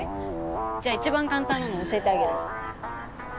じゃあ一番簡単なの教えてあげる。